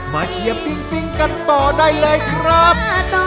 เชียร์ปิ้งกันต่อได้เลยครับ